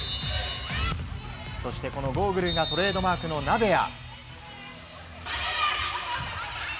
そして、このゴーグルがトレードマークの鍋谷。